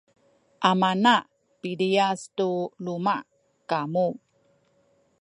amana piliyas tu luma’ kamu